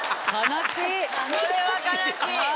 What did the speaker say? それは悲しい。